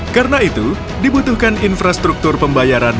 karena itu dibutuhkan infrastruktur pembayaran